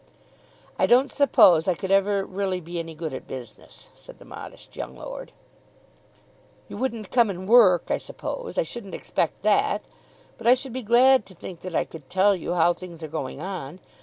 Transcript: "I don't suppose I could ever really be any good at business," said the modest young lord. "You wouldn't come and work, I suppose. I shouldn't expect that. But I should be glad to think that I could tell you how things are going on.